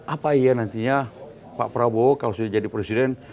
apa iya nantinya pak prabowo kalau sudah jadi presiden